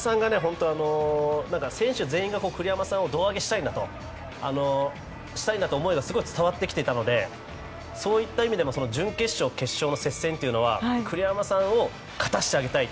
選手全員が、栗山さんを胴上げしたいんだという思いがすごい伝わってきてたのでそういった意味でも準決勝、決勝の接戦というのは栗山さんを勝たせてあげたい。